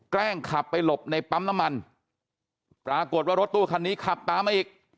แกล้งขับไปหลบในปั๊มน้ำมันปรากฏว่ารถตู้คันนี้ขับตามมาอีก